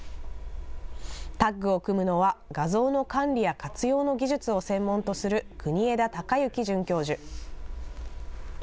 タッグを組むのは、画像の管理や活用の技術を専門とする國枝孝之准教授。